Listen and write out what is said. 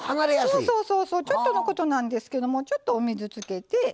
ちょっとのことなんですけどもちょっとお水つけて。